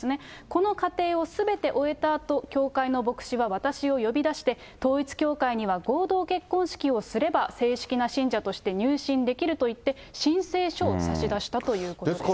この過程をすべて終えたあと、教会の牧師が私を呼び出して、統一教会には合同結婚式をすれば正式な信者として入信できると言って申請書を差し出したということです。